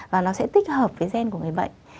và nó sẽ tích hợp với gen của người bệnh